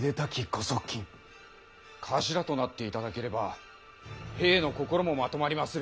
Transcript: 頭となっていただければ兵の心も纏まりまする。